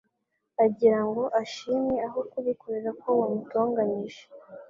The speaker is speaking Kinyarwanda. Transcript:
agirango ashimwe aho kubikorera ko wamutonganyije